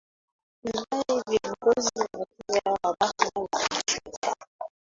tuandae viongozi wapya wa bara la afrika